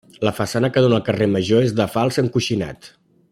La façana que dóna al carrer Major és de fals encoixinat.